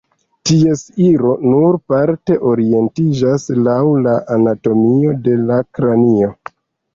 Ties iro nur parte orientiĝas laŭ la anatomio de la kranio.